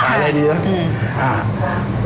อะไรดีแล้ว